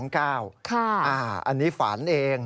อันนี้ฝันเอง